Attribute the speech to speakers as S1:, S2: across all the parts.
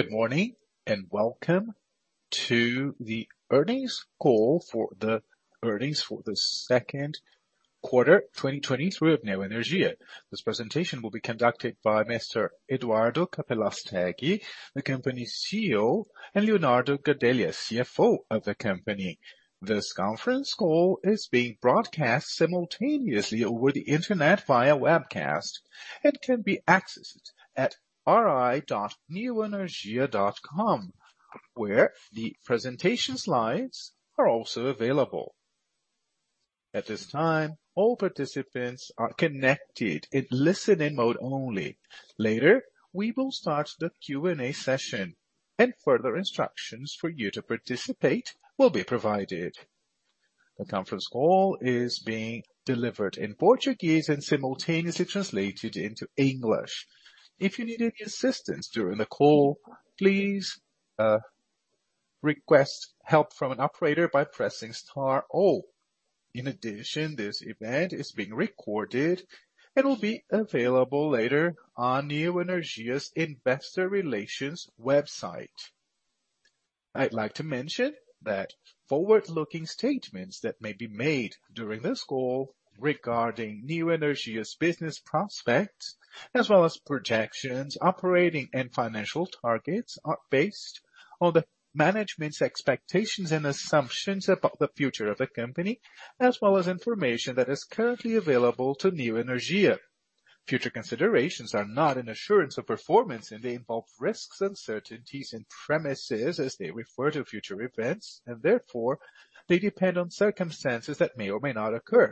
S1: Good morning, welcome to the earnings call for the earnings for the second quarter, 2023 of Neoenergia. This presentation will be conducted by Mr. Eduardo Capelastegui, the company's CEO, and Leonardo Gadelha, CFO of the company. This conference call is being broadcast simultaneously over the Internet via webcast, and can be accessed at ri.neoenergia.com, where the presentation slides are also available. At this time, all participants are connected in listen-in mode only. Later, we will start the Q&A session, and further instructions for you to participate will be provided. The conference call is being delivered in Portuguese and simultaneously translated into English. If you need any assistance during the call, please request help from an operator by pressing star O. In addition, this event is being recorded and will be available later on Neoenergia's Investor Relations website. I'd like to mention that forward-looking statements that may be made during this call regarding Neoenergia's business prospects, as well as projections, operating, and financial targets, are based on the management's expectations and assumptions about the future of the company, as well as information that is currently available to Neoenergia. Future considerations are not an assurance of performance, and they involve risks, uncertainties, and premises as they refer to future events, and therefore, they depend on circumstances that may or may not occur.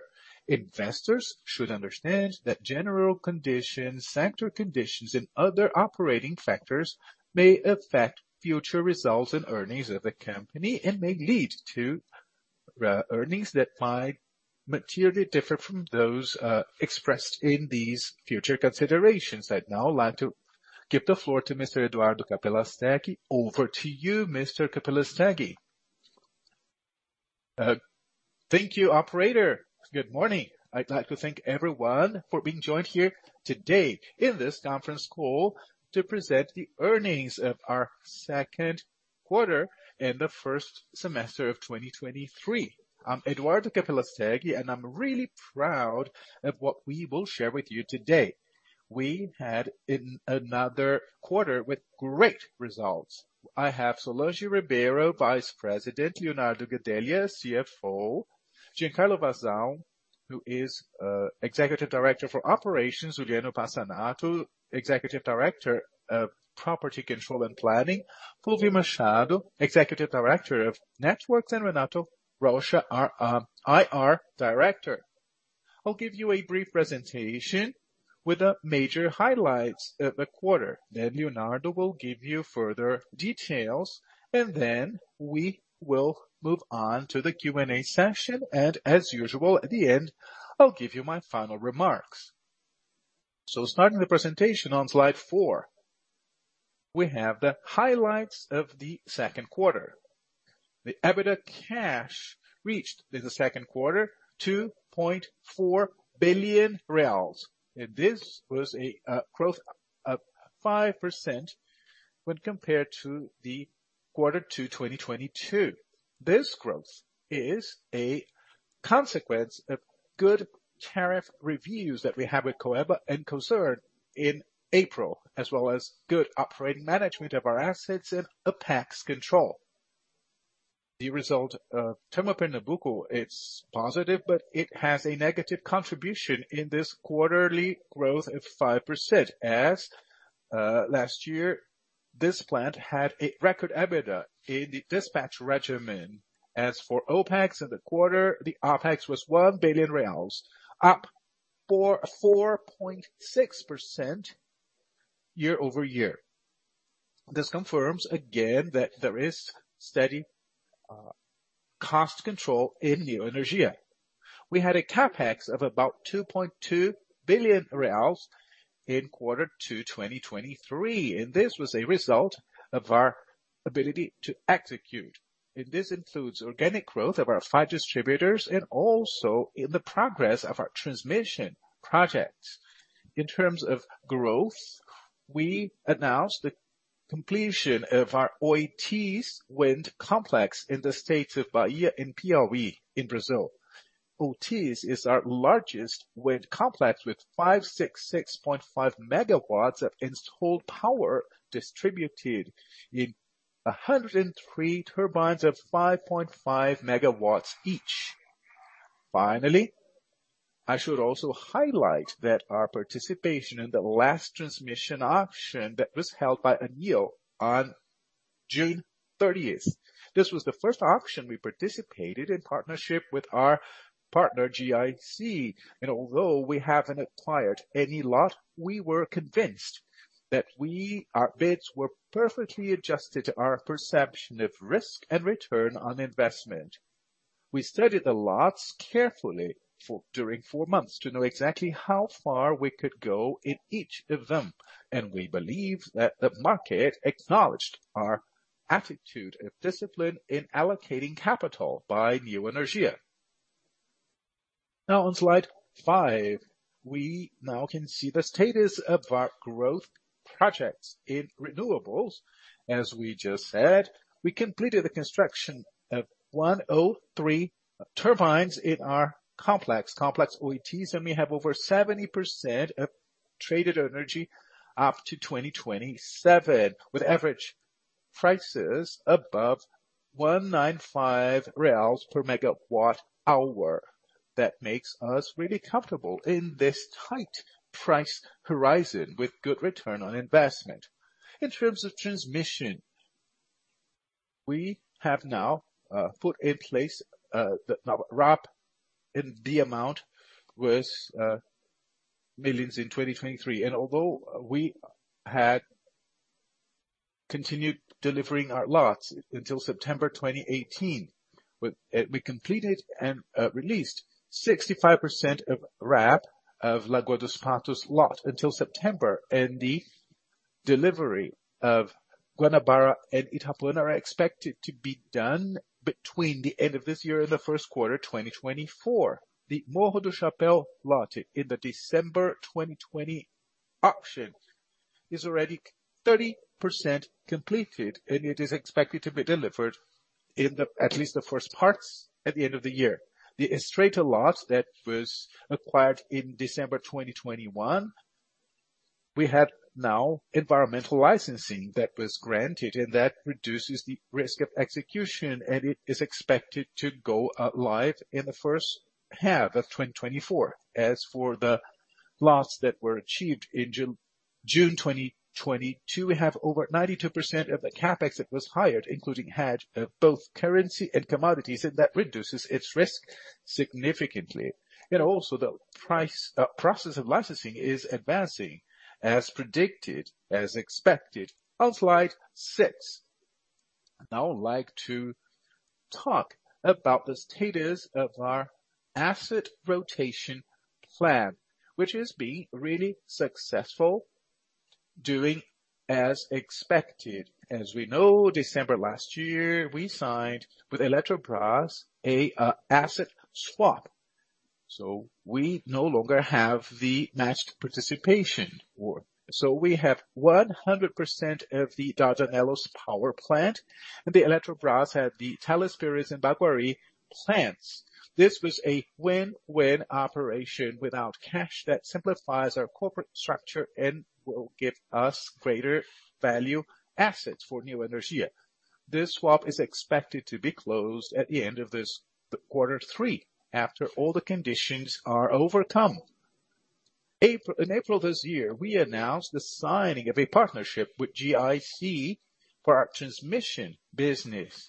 S1: Investors should understand that general conditions, sector conditions, and other operating factors may affect future results and earnings of the company and may lead to earnings that might materially differ from those expressed in these future considerations. I'd now like to give the floor to Mr. Eduardo Capelastegui. Over to you, Mr. Capelastegui.
S2: Thank you, operator. Good morning. I'd like to thank everyone for being joined here today in this conference call to present the earnings of our second quarter and the first semester of 2023. I'm Eduardo Capelastegui, I'm really proud of what we will share with you today. We had another quarter with great results. I have Solange Ribeiro, Vice President, Leonardo Gadelha, CFO, Giancarlo Vassão, who is Executive Director for Operations, Juliano Pansanato, Executive Director of Property Control and Planning, Fulvio Machado, Executive Director of Networks, Renato Rocha, our IR Director. I'll give you a brief presentation with the major highlights of the quarter, Leonardo will give you further details, we will move on to the Q&A session. As usual, at the end, I'll give you my final remarks. Starting the presentation on slide 4, we have the highlights of the second quarter. The EBITDA cash reached in the second quarter 2.4 billion reais. This was a growth of 5% when compared to the quarter two, 2022. This growth is a consequence of good tariff reviews that we had with Coelba and Cosern in April, as well as good operating management of our assets and OpEx control. The result of Termopernambuco is positive. It has a negative contribution in this quarterly growth of 5%, as last year, this plant had a record EBITDA in the dispatch regimen. For OpEx in the quarter, the OpEx was BRL 1 billion, up 4.6% year-over-year. This confirms again that there is steady cost control in Neoenergia. We had a CapEx of about 2.2 billion reais in 2Q 2023. This was a result of our ability to execute. This includes organic growth of our five distributors and also in the progress of our transmission projects. In terms of growth, we announced the completion of our Oitis Wind Complex in the states of Bahia and Piauí in Brazil. Oitis is our largest wind complex, with 566.5 MW of installed power, distributed in 103 turbines of 5.5 MW each. I should also highlight that our participation in the last transmission auction that was held by ANEEL on June 30th. This was the first auction we participated in partnership with our partner, GIC. Although we haven't acquired any lot, we were convinced that our bids were perfectly adjusted to our perception of risk and return on investment. We studied the lots carefully for during four months to know exactly how far we could go in each of them. We believe that the market acknowledged our attitude and discipline in allocating capital by Neoenergia. Now on slide five, we now can see the status of our growth projects in renewables. As we just said, we completed the construction of 103 turbines in our complex Oitis. We have over 70% of traded energy up to 2027, with average prices above 195 reais per megawatt hour. That makes us really comfortable in this tight price horizon with good return on investment. In terms of transmission, we have now put in place the RAP in the amount with millions in 2023. Although we had continued delivering our lots until September 2018, we completed and released 65% of RAP of Lagoa dos Patos lot until September, and the delivery of Guanabara and Itabapoana are expected to be done between the end of this year and the first quarter, 2024. The Morro do Chapéu lot in the December 2020 auction is already 30% completed, and it is expected to be delivered at least the first parts at the end of the year. The Estreito lot that was acquired in December 2021, we have now environmental licensing that was granted, and that reduces the risk of execution, and it is expected to go alive in the first half of 2024. As for the lots that were achieved in June 2022, we have over 92% of the CapEx that was hired, including hedge, both currency and commodities, and that reduces its risk significantly. Also the price process of licensing is advancing as predicted, as expected. On slide six. I would like to talk about the status of our asset rotation plan, which is being really successful, doing as expected. As we know, December last year, we signed with Eletrobras, a asset swap, so we no longer have the matched participation war. We have 100% of the Dardanelos power plant, and the Eletrobras have the Teles Pires and Baguari plants. This was a win-win operation without cash that simplifies our corporate structure and will give us greater value assets for Neoenergia. This swap is expected to be closed at the end of this quarter three, after all the conditions are overcome. In April this year, we announced the signing of a partnership with GIC for our transmission business.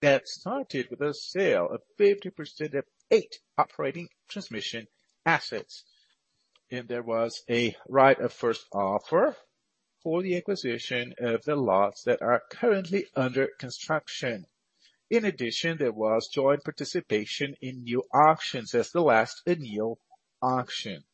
S2: That started with a sale of 50% of eight operating transmission assets, and there was a right of first offer for the acquisition of the lots that are currently under construction. In addition, there was joint participation in new auctions as the last annual auction.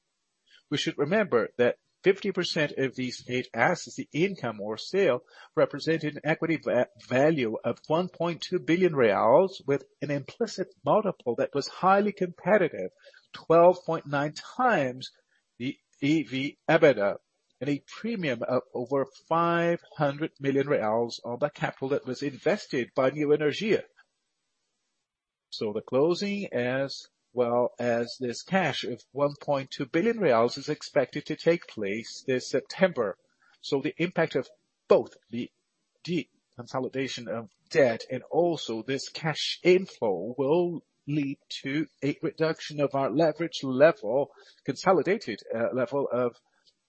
S2: We should remember that 50% of these eight assets, the income or sale, represented an equity value of 1.2 billion reais, with an implicit multiple that was highly competitive, 12.9x the EV/EBITDA, and a premium of over 500 million reais on the capital that was invested by Neoenergia. The closing, as well as this cash of 1.2 billion reais, is expected to take place this September. The impact of both the consolidation of debt and also this cash inflow, will lead to a reduction of our leverage level, consolidated level of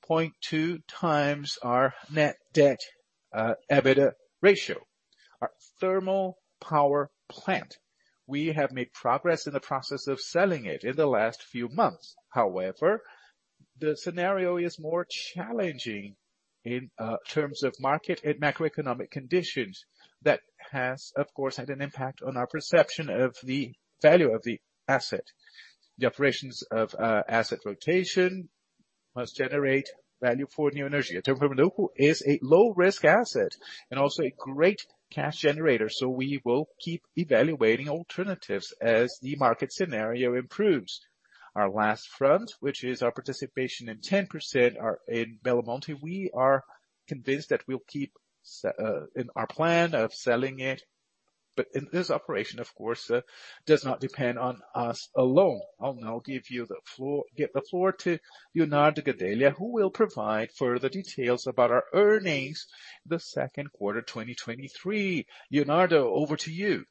S2: 0.2x our net debt EBITDA ratio. Our thermal power plant. We have made progress in the process of selling it in the last few months. However, the scenario is more challenging in terms of market and macroeconomic conditions. That has, of course, had an impact on our perception of the value of the asset. The operations of asset rotation must generate value for Neoenergia. Termopernambuco is a low-risk asset and also a great cash generator, we will keep evaluating alternatives as the market scenario improves. Our last front, which is our participation in 10% are in Belo Monte. We are convinced that we'll keep in our plan of selling it, but in this operation, of course, does not depend on us alone. I'll now give the floor to Leonardo Gadelha, who will provide further details about our earnings, the 2Q 2023. Leonardo, over to you.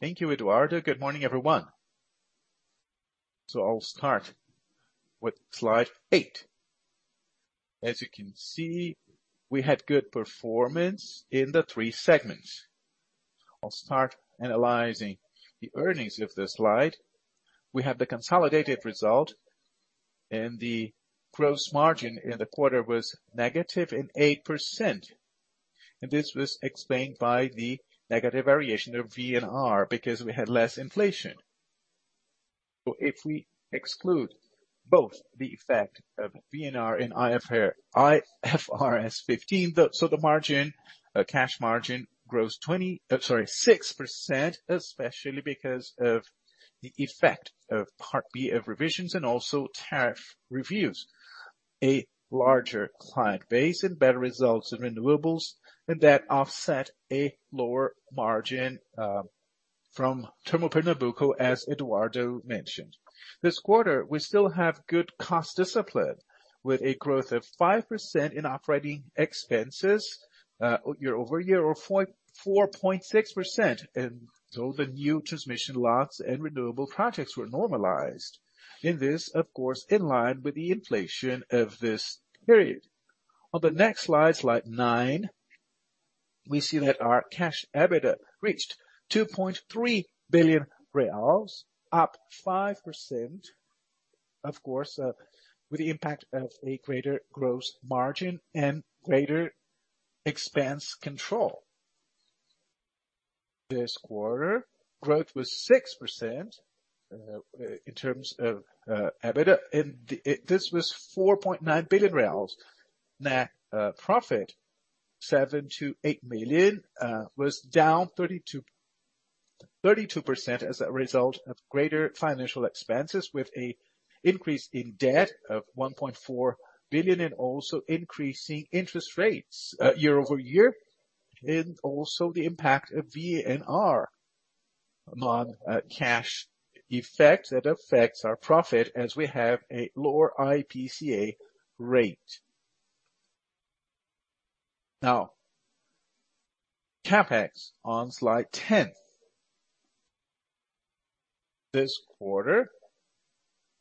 S3: Thank you, Eduardo. Good morning, everyone. I'll start with slide eight. As you can see, we had good performance in the three segments. I'll start analyzing the earnings of the slide. We have the consolidated result. The gross margin in the quarter was negative 8%, and this was explained by the negative variation of VNR because we had less inflation. If we exclude both the effect of VNR and IFRS 15, the cash margin grows 6%, especially because of the effect of Part B of revisions and also tariff reviews, a larger client base, and better results in renewables. That offset a lower margin from Termopernambuco, as Eduardo mentioned. This quarter, we still have good cost discipline, with a growth of 5% in operating expenses year-over-year, or 4.6%. The new transmission lots and renewable projects were normalized, and this, of course, in line with the inflation of this period. On the next slide nine, we see that our cash EBITDA reached 2.3 billion reais, up 5%, of course, with the impact of a greater gross margin and greater expense control. This quarter, growth was 6% in terms of EBITDA, and this was 4.9 billion reais. Net profit, 7 million-8 million, was down 32% as a result of greater financial expenses, with an increase in debt of 1.4 billion, and also increasing interest rates year-over-year, and also the impact of VNR among cash effect that affects our profit as we have a lower IPCA rate. CapEx on slide 10. This quarter,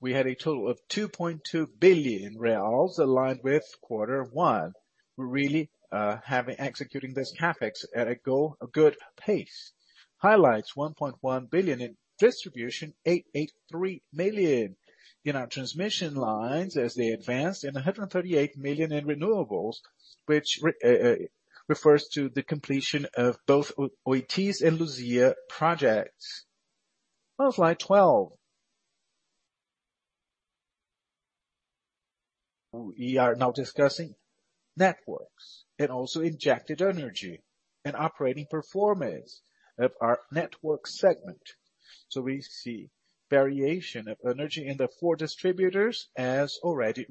S3: we had a total of 2.2 billion reais aligned with quarter one. We're really having executing this CapEx at a good pace. Highlights. 1.1 billion in distribution, 883 million in our transmission lines as they advanced, and 138 million in renewables, which refers to the completion of both Oitis and Luzia projects. On slide 12. We are now discussing networks and also injected energy and operating performance of our network segment. We see variation of energy in the four distributors, as already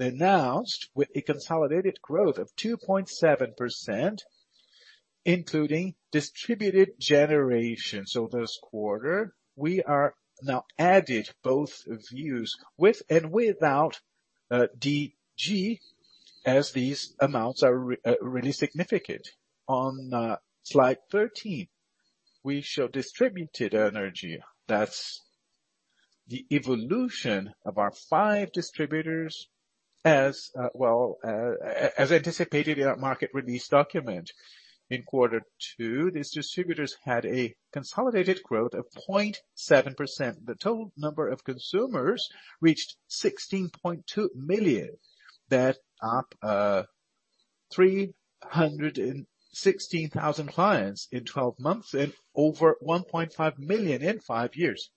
S3: announced, with a consolidated growth of 2.7%, including distributed generation. This quarter, we are now added both views with and without DG, as these amounts are really significant. On slide 13, we show distributed energy. That's the evolution of our five distributors as well, as anticipated in our market release document. In quarter two, these distributors had a consolidated growth of 0.7%. The total number of consumers reached 16.2 million. That up 316,000 clients in 12 months and over 1.5 million in five years.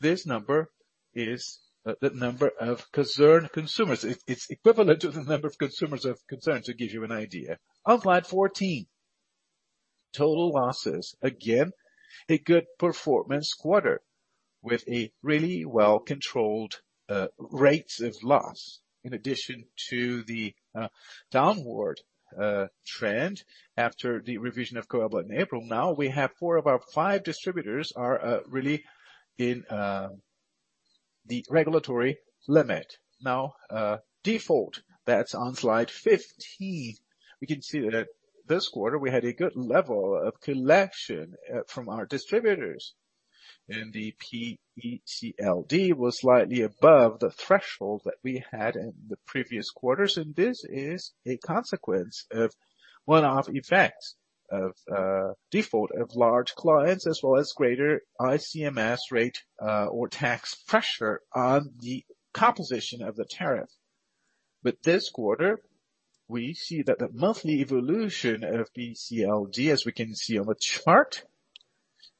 S3: This number is the number of concern consumers. It's equivalent to the number of consumers of concern, to give you an idea. On slide 14, total losses. Again, a good performance quarter, with a really well-controlled rates of loss, in addition to the downward trend after the revision of Cobra in April. We have four of our five distributors are really in the regulatory limit. Default, that's on slide 15. We can see that at this quarter, we had a good level of collection, from our distributors, and the PECLD was slightly above the threshold that we had in the previous quarters, and this is a consequence of one-off effects of, default of large clients, as well as greater ICMS rate, or tax pressure on the composition of the tariff. This quarter, we see that the monthly evolution of PECLD, as we can see on the chart,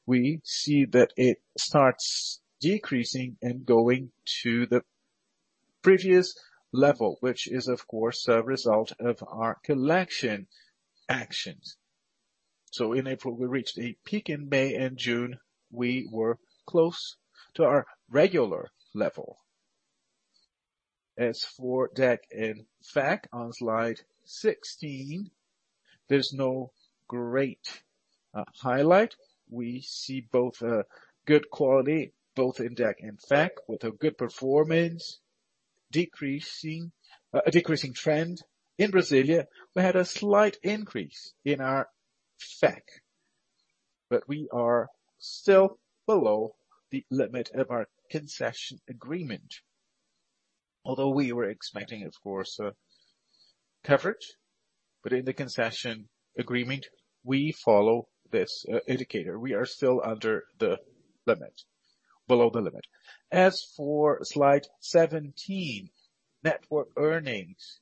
S3: it starts decreasing and going to the previous level, which is, of course, a result of our collection actions. In April, we reached a peak in May and June, we were close to our regular level. As for DEC and FEC on Slide 16, there's no great highlight. We see both a good quality, both in DEC and FEC, with a good performance, decreasing, a decreasing trend. In Brasília, we had a slight increase in our FEC, but we are still below the limit of our concession agreement. Although we were expecting, of course, a coverage, but in the concession agreement, we follow this indicator. We are still under the limit, below the limit. As for Slide 17, network earnings.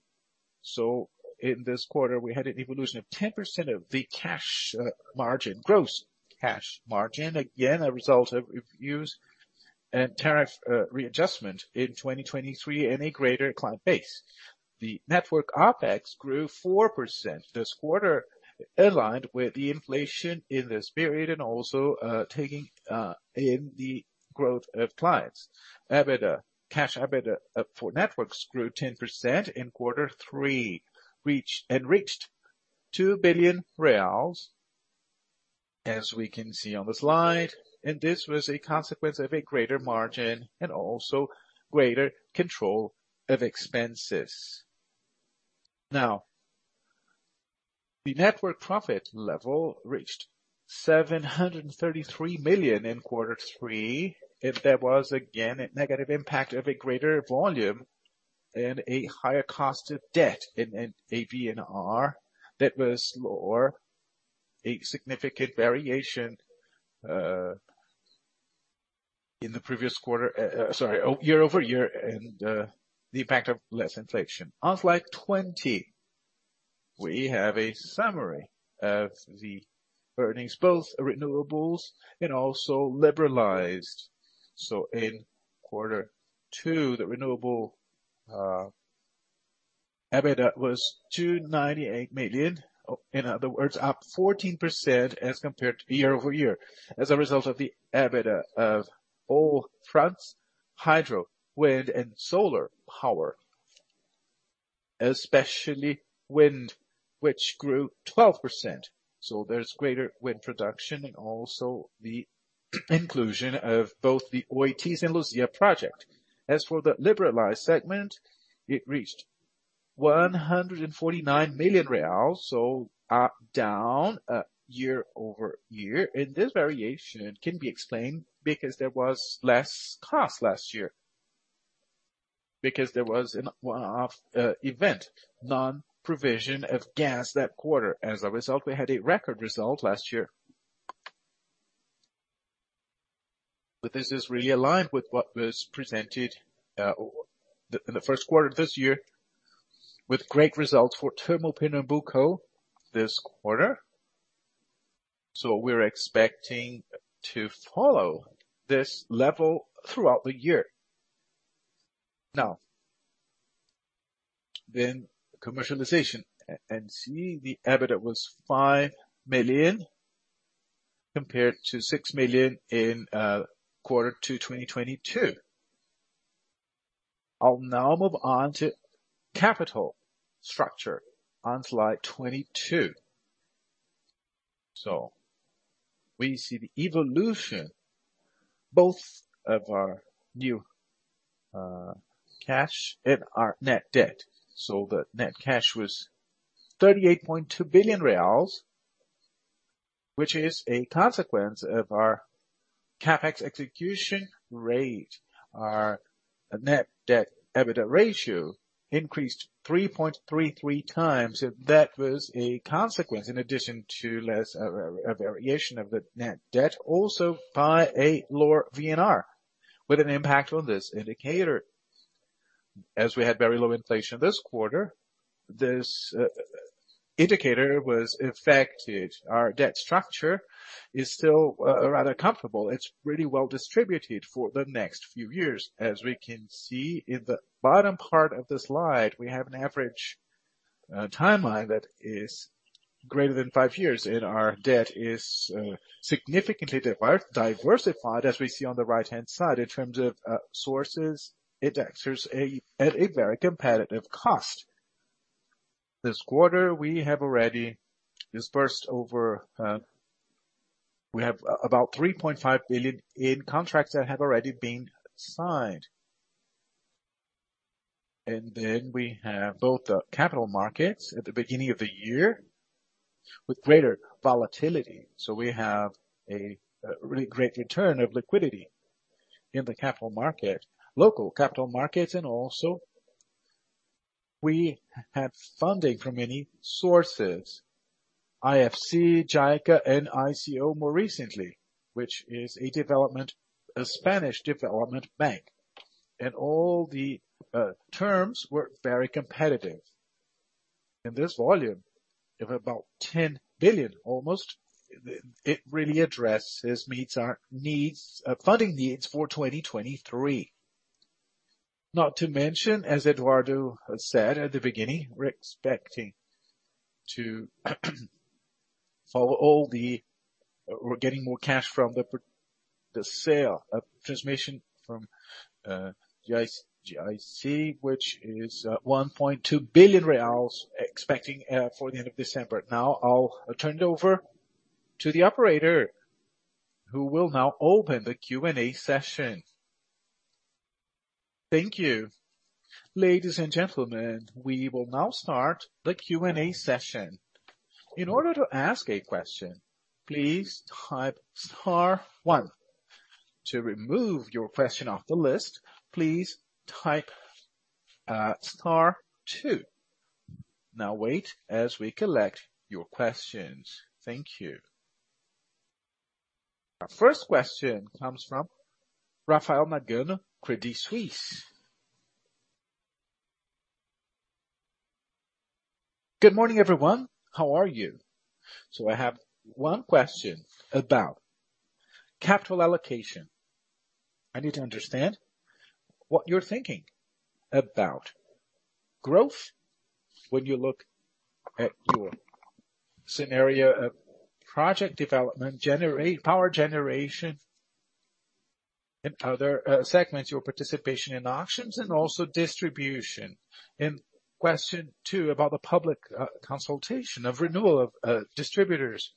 S3: In this quarter, we had an evolution of 10% of the cash margin, gross cash margin. Again, a result of reviews and tariff readjustment in 2023 and a greater client base. The network OpEx grew 4% this quarter, aligned with the inflation in this period and also taking in the growth of clients. EBITDA, cash EBITDA for networks grew 10% in Q3, and reached 2 billion reais, as we can see on the slide. This was a consequence of a greater margin and also greater control of expenses. The network profit level reached 733 million in Q3. There was, again, a negative impact of a greater volume and a higher cost of debt in ABNR that was lower, a significant variation in the previous quarter, sorry, year-over-year, and the impact of less inflation. On slide 20, we have a summary of the earnings, both renewables and also liberalized. In Q2, the renewable EBITDA was 298 million.
S2: In other words, up 14% as compared to year-over-year, as a result of the EBITDA of all fronts: hydro, wind, and solar power, especially wind, which grew 12%. There's greater wind production and also the inclusion of both the Oitis and Luzia project. As for the liberalized segment, it reached BRL 149 million, down year-over-year. This variation can be explained because there was less cost last year, because there was an event, non-provision of gas that quarter. As a result, we had a record result last year. This is really aligned with what was presented in the first quarter of this year, with great results for Termopernambuco this quarter. We're expecting to follow this level throughout the year.
S3: Commercialization and seeing the EBITDA was 5 million, compared to 6 million in quarter 2, 2022. I'll now move on to capital structure on slide 22. We see the evolution, both of our new cash and our net debt. The net cash was 38.2 billion reais, which is a consequence of our CapEx execution rate. Our net debt, EBITDA ratio increased 3.33x, and that was a consequence, in addition to less of a variation of the net debt, also by a lower VNR, with an impact on this indicator. As we had very low inflation this quarter, this indicator was affected. Our debt structure is still rather comfortable. It's really well distributed for the next few years. As we can see in the bottom part of the slide, we have an average timeline that is greater than five years, and our debt is significantly diversified, as we see on the right-hand side, in terms of sources, it exerts a, at a very competitive cost. This quarter, we have already disbursed over, we have about 3.5 billion in contracts that have already been signed. We have both the capital markets at the beginning of the year with greater volatility. We have a really great return of liquidity in the capital market, local capital markets, and also we have funding from many sources: IFC, JICA, ICO more recently, which is a development, a Spanish development bank. All the terms were very competitive. In this volume, of about 10 billion, almost, it really addresses, meets our needs, funding needs for 2023. Not to mention, as Eduardo has said at the beginning, we're expecting to follow all the... We're getting more cash from the sale, transmission from GIC, which is 1.2 billion reais, expecting for the end of December. I'll turn it over to the operator, who will now open the Q&A session. Thank you. Ladies and gentlemen, we will now start the Q&A session.
S1: In order to ask a question, please type star one. To remove your question off the list, please type star two. Wait as we collect your questions. Thank you. Our first question comes from Rafael Nagano, Credit Suisse.
S4: Good morning, everyone. How are you? I have one question about capital allocation. I need to understand what you're thinking about growth when you look at your scenario of project development, power generation, and other segments, your participation in auctions and also distribution. Question two, about the public consultation of renewal of distributors.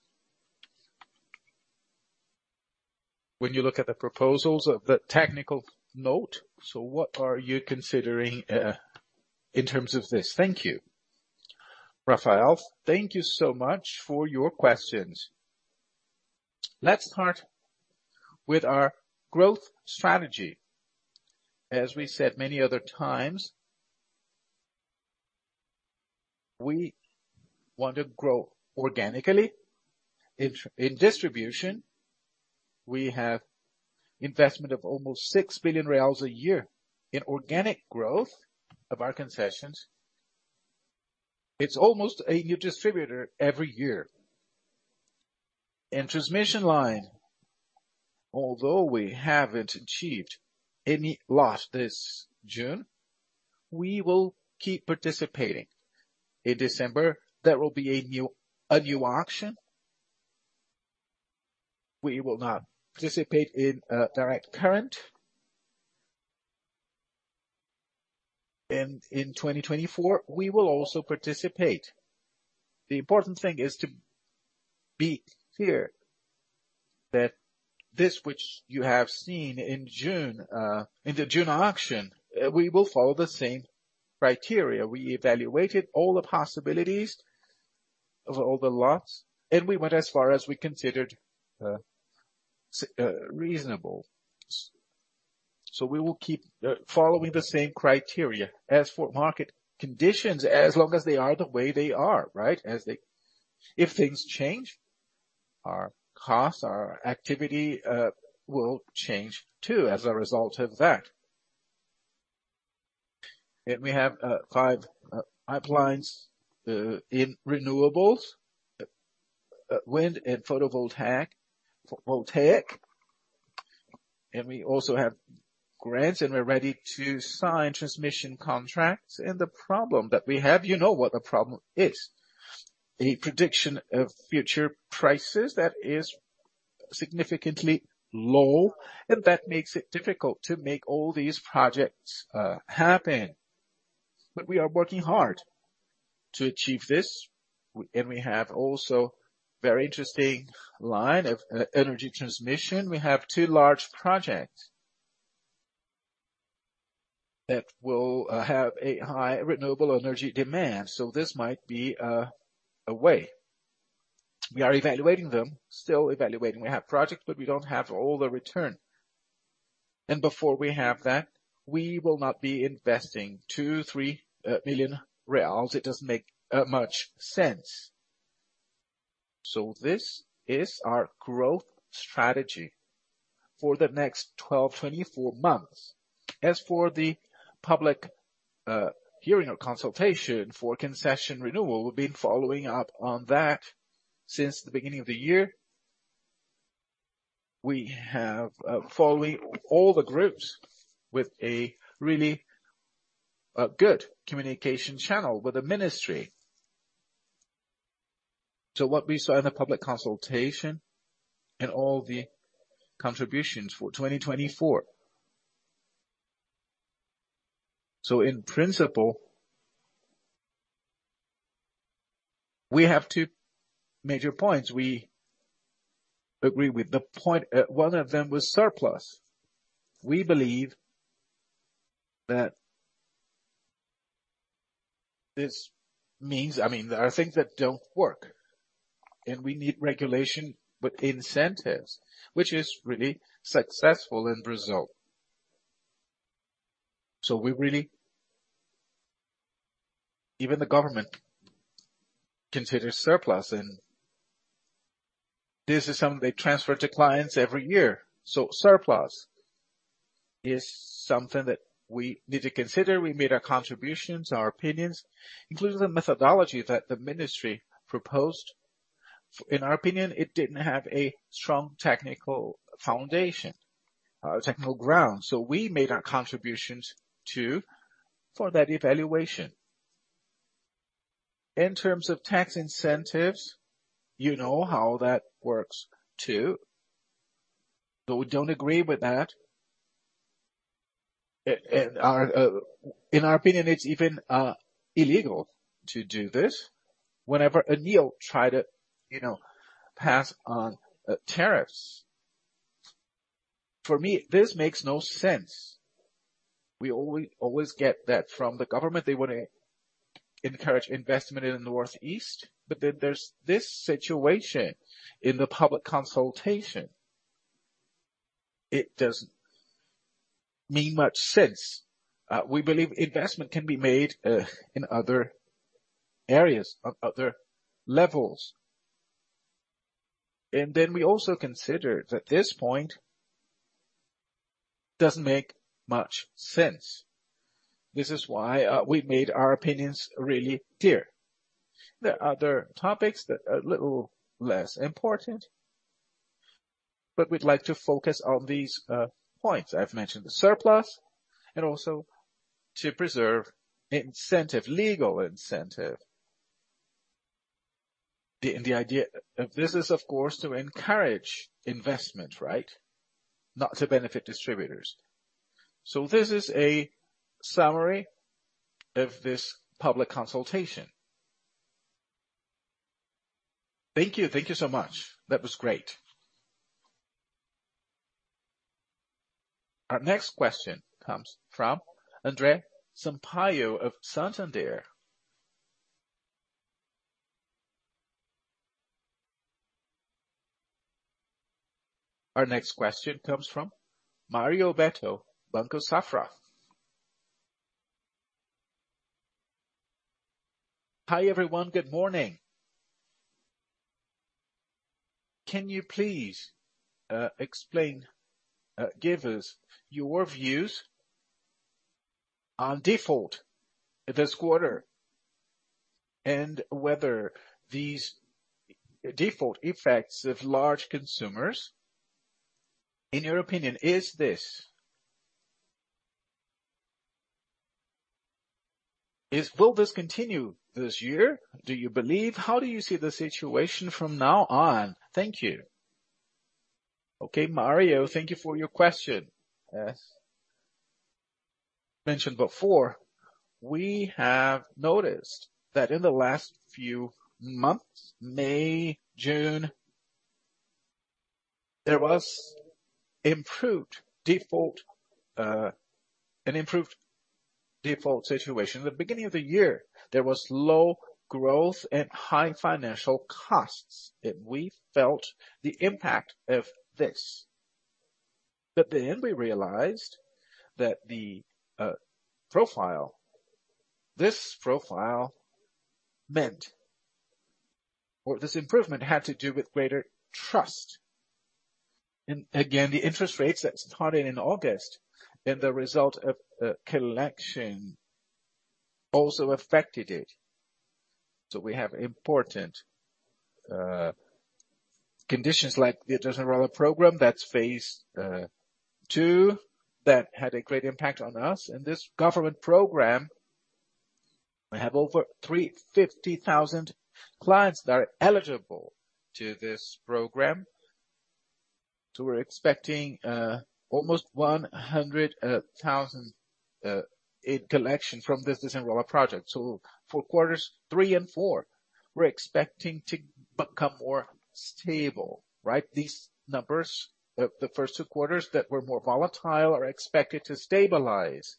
S4: When you look at the proposals of the technical note, so what are you considering in terms of this?
S2: Thank you. Rafael, thank you so much for your questions. Let's start with our growth strategy. As we said many other times, we want to grow organically. In distribution, we have investment of almost 6 billion reais a year in organic growth of our concessions. It's almost a new distributor every year. In transmission line, although we haven't achieved any loss this June, we will keep participating. In December, there will be a new auction. We will not participate in direct current. In 2024, we will also participate. The important thing is to be clear that this, which you have seen in June, in the June auction, we will follow the same criteria. We evaluated all the possibilities of all the lots, and we went as far as we considered reasonable. We will keep following the same criteria. As for market conditions, as long as they are the way they are, right, if things change, our costs, our activity, will change too, as a result of that. We have five pipelines in renewables, wind and photovoltaic. We also have grants, and we're ready to sign transmission contracts. The problem that we have, you know what the problem is. A prediction of future prices that is significantly low, and that makes it difficult to make all these projects happen. We are working hard to achieve this, and we have also very interesting line of energy transmission. We have two large projects that will have a high renewable energy demand, so this might be a way. We are evaluating them, still evaluating. We have projects, but we don't have all the return. Before we have that, we will not be investing 2 million-3 million reais. It doesn't make much sense. This is our growth strategy for the next 12-24 months. As for the public hearing or consultation for concession renewal, we've been following up on that since the beginning of the year. We have following all the groups with a really good communication channel with the ministry. What we saw in the public consultation and all the contributions for 2024. In principle, we have two major points. We agree with the point, one of them was surplus. We believe that this means, I mean, there are things that don't work, and we need regulation with incentives, which is really successful in Brazil. We really. Even the government considers surplus, and this is something they transfer to clients every year. Surplus is something that we need to consider. We made our contributions, our opinions, including the methodology that the ministry proposed. In our opinion, it didn't have a strong technical foundation, technical ground, we made our contributions, too, for that evaluation. In terms of tax incentives, you know how that works, too, we don't agree with that. Our in our opinion, it's even illegal to do this. Whenever ANEEL tried to, you know, pass on tariffs, for me, this makes no sense. We always get that from the government. They want to encourage investment in the Northeast, there's this situation in the public consultation. It doesn't-... mean much sense. We believe investment can be made in other areas, on other levels. We also consider that this point doesn't make much sense. This is why we've made our opinions really clear. There are other topics that are a little less important, but we'd like to focus on these points. I've mentioned the surplus and also to preserve incentive, legal incentive. The idea of this is, of course, to encourage investment, right? Not to benefit distributors. This is a summary of this public consultation.
S4: Thank you. Thank you so much. That was great.
S1: Our next question comes from Andre Sampaio of Santander. Our next question comes from Mario Wobeto, Banco Safra.
S5: Hi, everyone. Good morning. Can you please explain, give us your views on default this quarter, and whether these default effects of large consumers, in your opinion, will this continue this year, do you believe? How do you see the situation from now on?
S2: Thank you. Okay, Mario, thank you for your question. As mentioned before, we have noticed that in the last few months, May, June, there was improved default, an improved default situation. The beginning of the year, there was low growth and high financial costs, and we felt the impact of this. We realized that the profile, this profile meant, or this improvement had to do with greater trust. The interest rates that started in August and the result of collection also affected it. We have important conditions like the Desenrola program, that's Phase 2, that had a great impact on us. This government program, we have over 350,000 clients that are eligible to this program. We're expecting almost 100,000 in collection from this Desenrola project. For quarters three and four, we're expecting to become more stable, right? These numbers, the first two quarters that were more volatile, are expected to stabilize.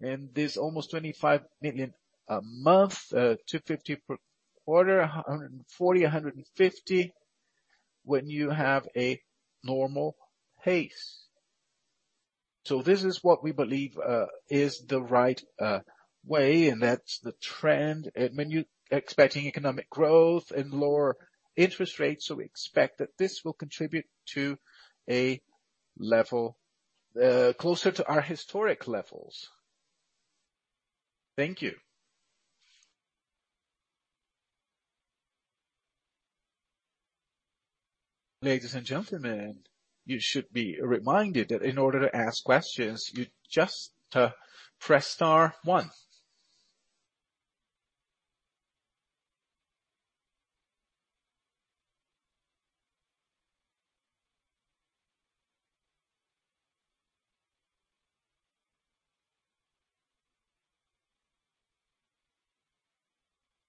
S2: This almost 25 million a month, 250 per quarter, 140, 150, when you have a normal pace. This is what we believe is the right way, and that's the trend. When you're expecting economic growth and lower interest rates, we expect that this will contribute to a level closer to our historic levels. Thank you.
S1: Ladies and gentlemen, you should be reminded that in order to ask questions, you just press star one.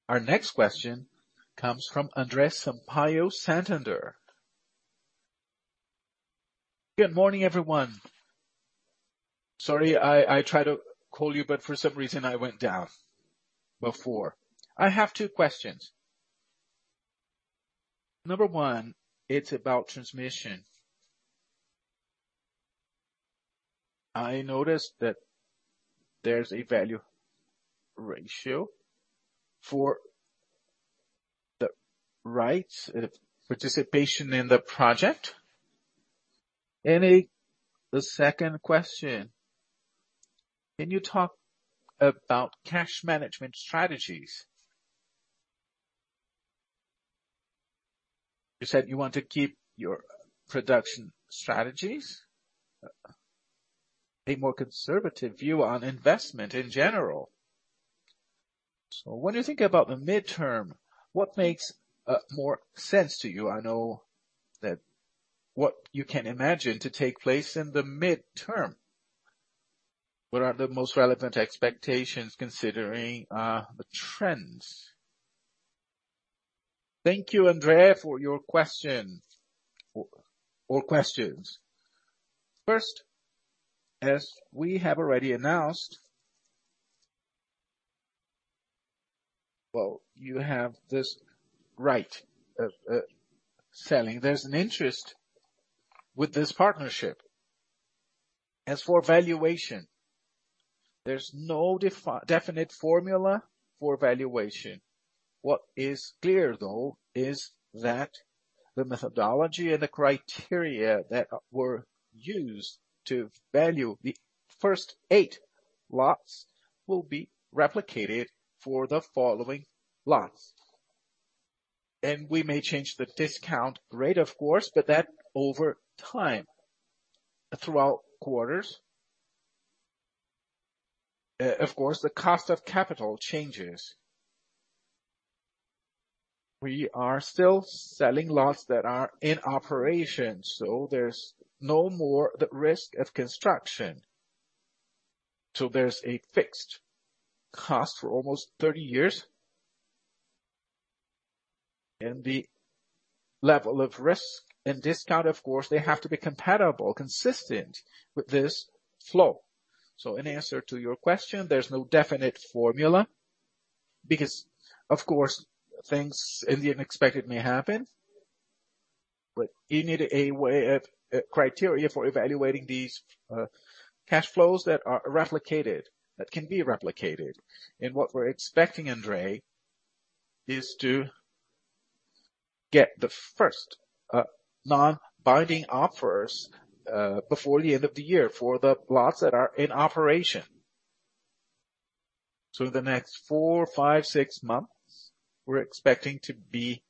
S1: Our next question comes from Andre Sampaio, Santander.
S6: Good morning, everyone. Sorry, I tried to call you, but for some reason, I went down before. I have two questions. Number one, it's about transmission. I noticed that there's a value ratio for the rights of participation in the project. The second question: Can you talk about cash management strategies? You said you want to keep your production strategies, a more conservative view on investment in general. What do you think about the midterm? What makes more sense to you? I know that what you can imagine to take place in the midterm, what are the most relevant expectations, considering the trends?
S2: Thank you, Andre, for your question or questions. First, as we have already announced, you have this right of selling. There's an interest with this partnership. As for valuation, there's no definite formula for valuation. What is clear, though, is that the methodology and the criteria that were used to value the first eight lots will be replicated for the following lots. We may change the discount rate, of course, but that over time, throughout quarters, of course, the cost of capital changes. We are still selling lots that are in operation, there's no more the risk of construction. There's a fixed cost for almost 30 years, and the level of risk and discount, of course, they have to be compatible, consistent with this flow. In answer to your question, there's no definite formula because, of course, things in the unexpected may happen. You need a way of criteria for evaluating these cash flows that are replicated, that can be replicated. What we're expecting, Andre, is to get the first non-binding offers before the end of the year for the lots that are in operation. In the next four, five, six months, we're expecting to be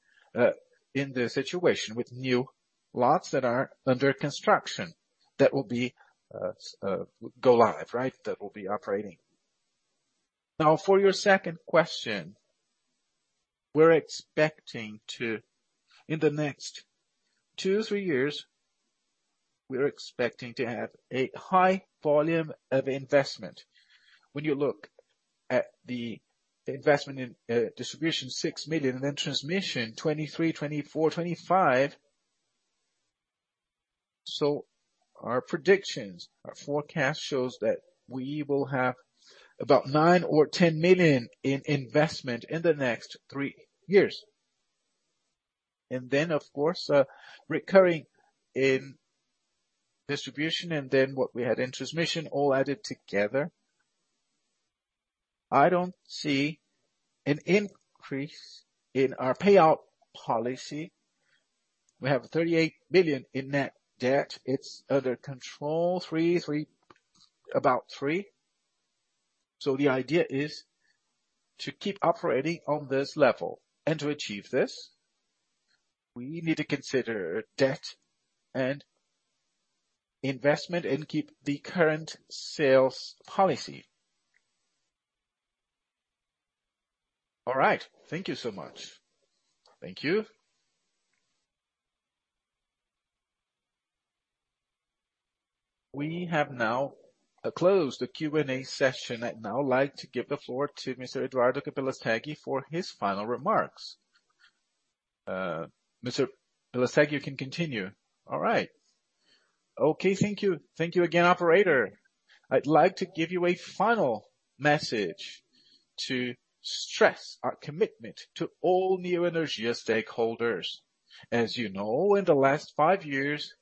S2: in the situation with new lots that are under construction, that will be go live, right, that will be operating. For your second question, in the next two, three years, we are expecting to have a high volume of investment. When you look at the investment in distribution, 6 million, and then transmission, 2023, 2024, 2025. Our predictions, our forecast shows that we will have about 9 million or 10 million in investment in the next three years. Of course, recurring in distribution and then what we had in transmission all added together. I don't see an increase in our payout policy. We have 38 billion in net debt. It's under control, about three. The idea is to keep operating on this level, and to achieve this, we need to consider debt and investment and keep the current sales policy.
S6: All right. Thank you so much.
S2: Thank you.
S1: We have now closed the Q&A session. I'd now like to give the floor to Mr. Eduardo Capelastegui for his final remarks. Mr. Capelastegui, you can continue.
S2: All right. Okay, thank you. Thank you again, operator. I'd like to give you a final message to stress our commitment to all Neoenergia stakeholders. As you know, in the last five years,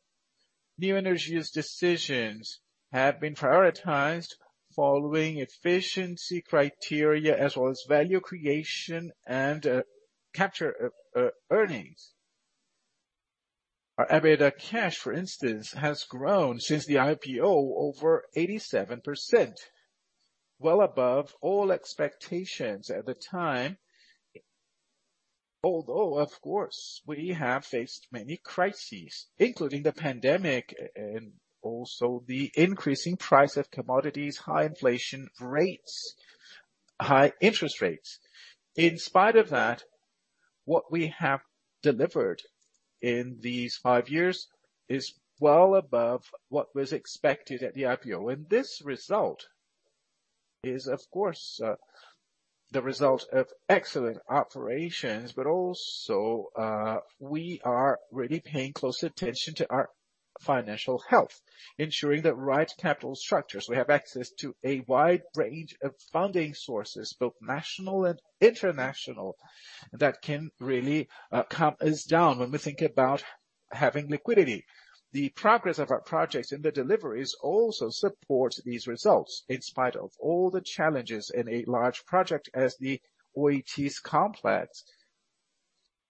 S2: Neoenergia's decisions have been prioritized following efficiency criteria as well as value creation and, capture, earnings. Our EBITDA cash, for instance, has grown since the IPO over 87%, well above all expectations at the time. Although, of course, we have faced many crises, including the pandemic and also the increasing price of commodities, high inflation rates, high interest rates. In spite of that, what we have delivered in these five years is well above what was expected at the IPO. This result is, of course, the result of excellent operations, but also, we are really paying close attention to our financial health, ensuring the right capital structures. We have access to a wide range of funding sources, both national and international, that can really calm us down when we think about having liquidity. The progress of our projects and the deliveries also support these results. In spite of all the challenges in a large project as the Oitis complex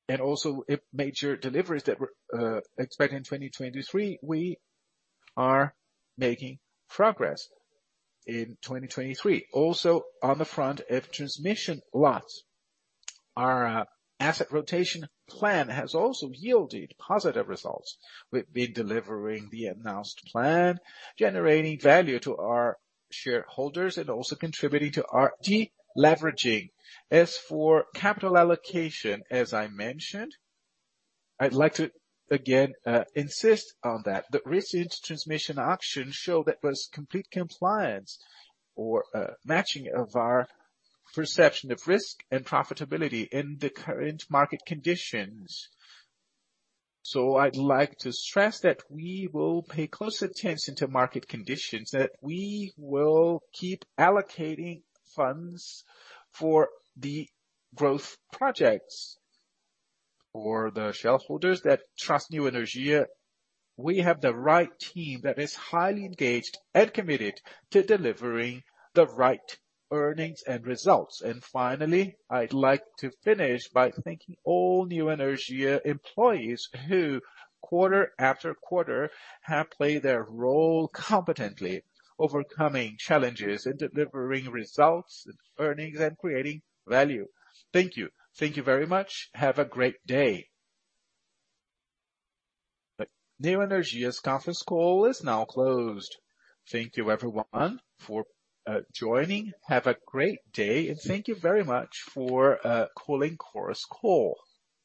S2: and also major deliveries that were expected in 2023, we are making progress in 2023. On the front of transmission lots, our asset rotation plan has also yielded positive results. We've been delivering the announced plan, generating value to our shareholders and also contributing to our deleveraging. As for capital allocation, as I mentioned, I'd like to again insist on that. The recent transmission auction showed that was complete compliance or matching of our perception of risk and profitability in the current market conditions. I'd like to stress that we will pay close attention to market conditions, that we will keep allocating funds for the growth projects or the shareholders that trust Neoenergia. We have the right team that is highly engaged and committed to delivering the right earnings and results. Finally, I'd like to finish by thanking all Neoenergia employees, who quarter after quarter, have played their role competently, overcoming challenges and delivering results and earnings, and creating value. Thank you. Thank you very much. Have a great day.
S1: The Neoenergia's conference call is now closed. Thank you, everyone, for joining. Have a great day, and thank you very much for calling Chorus Call.